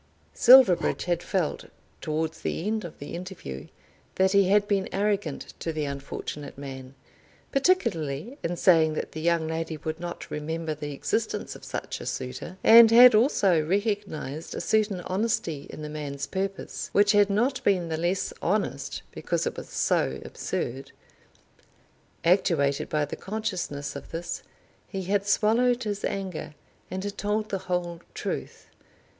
Silverbridge had felt, towards the end of the interview, that he had been arrogant to the unfortunate man, particularly in saying that the young lady would not remember the existence of such a suitor, and had also recognised a certain honesty in the man's purpose, which had not been the less honest because it was so absurd. Actuated by the consciousness of this, he had swallowed his anger, and had told the whole truth.